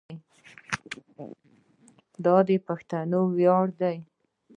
دا د پښتنو ویاړ دی.